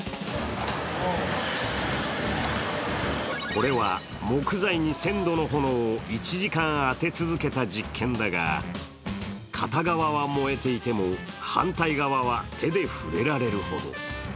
これは木材に１０００度の炎を１時間当て続けた実験だが片側は燃えていても、反対側は手で触れられるほど。